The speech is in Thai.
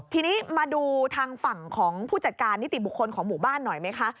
ทีนี้มาดูทางฝั่งของผู้จัดการนิติบุคคลของหมู่บ้านหน่อยไหมคะ